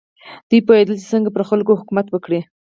دوی پوهېدل چې څنګه پر خلکو حکومت وکړي.